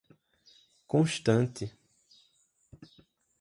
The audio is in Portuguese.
constante